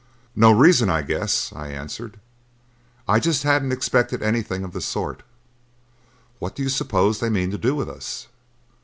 "No reason, I guess," I answered; "I just hadn't expected anything of the sort. What do you suppose they mean to do with us?"